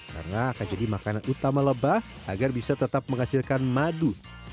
karena akan jadi makanan utama lebah agar bisa tetap menghasilkan madu